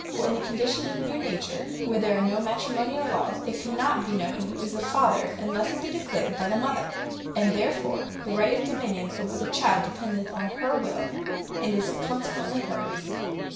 For in the condition of Meer Nature, where there are no Matrimoniall lawes, it cannot be known who is the Father, unlesse it be declared by the Mother: and therefore the right of Dominion over the Child dependeth on her will, and is consequently hers.